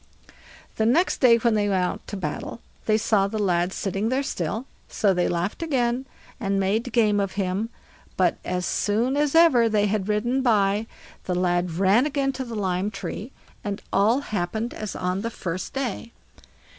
The next day when they went out to battle, they saw the lad sitting there still, so they laughed again, and made game of him; but as soon as ever they had ridden by, the lad ran again to the lime tree, and all happened as on the first day.